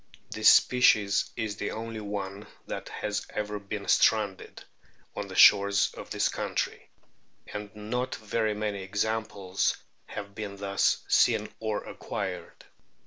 This species is the only one that has ever been stranded on the shores of this country ; and not very many examples have been thus seen or acquired.